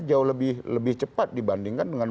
jauh lebih cepat dibandingkan dengan